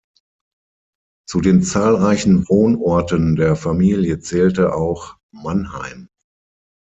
Zu den zahlreichen Wohnorten der Familie zählte auch Mannheim.